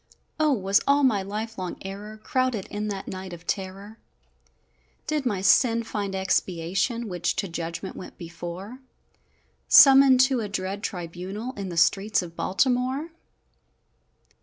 O, was all my life long error Crowded in that night of terror? Did my sin find expiation, Which to judgment went before, Summoned to a dread tribunal, In the streets of Baltimore?